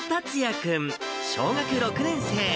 君、小学６年生。